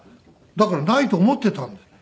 だからないと思ってたんだよ。